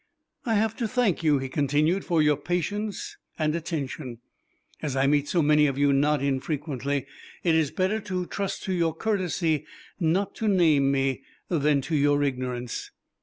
"I have to thank you," he continued, "for your patience and attention. As I meet so many of you not infrequently, it is better to trust to your courtesy not to name me than to your ignorance."